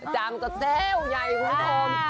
จ๊ะมันก็แสวใหญ่ครับ